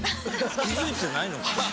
気づいてないのかな？